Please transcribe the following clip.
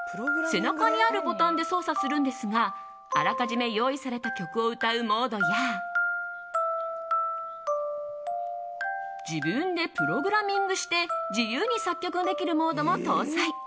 背中にあるボタンで操作するんですがあらかじめ用意された曲を歌うモードや自分でプログラミングして自由に作曲ができるモードも搭載。